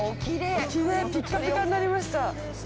ピッカピカになりました。